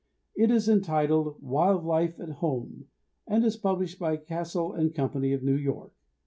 It is entitled "Wild Life at Home," and is published by Cassell & Company of New York.